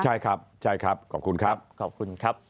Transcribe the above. ใช่ครับใช่ครับขอบคุณครับ